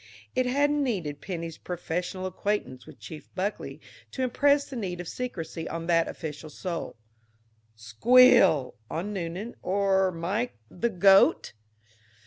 It hadn't needed Penny's professional acquaintance with Chief Buckley to impress the need of secrecy on that official's soul. "Squeal" on Noonan or Mike the Goat?